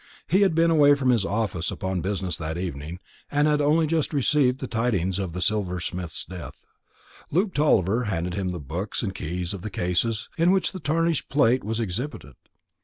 He had been away from his office upon business that evening, and had only just received the tidings of the silversmith's death. Luke Tulliver handed him the books and keys of the cases in which the tarnished plate was exhibited.